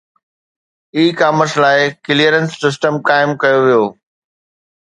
اي commerce لاءِ clearance system قائم ڪيو ويو